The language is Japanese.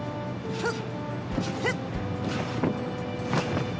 ふっ！